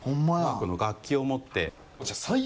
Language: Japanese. この楽器を持って。